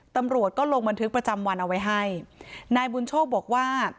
ตำรวจก็ลงบันทึกประจำวันเอาไว้ให้นายบุญโชคบอกว่า